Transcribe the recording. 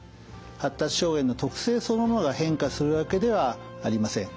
発達障害の特性そのものが変化するわけではありません。